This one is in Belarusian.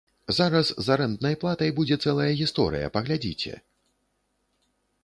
Зараз з арэнднай платай будзе цэлая гісторыя, паглядзіце!